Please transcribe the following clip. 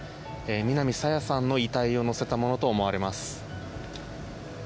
南朝芽さんの遺体を乗せたものと思われます。